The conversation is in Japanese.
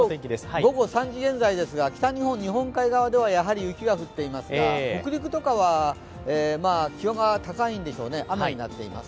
午後３時現在ですが北日本、日本海側ではやはり雪が降っていますが、北陸とかは気温が高いんでしょうね、雨になっています。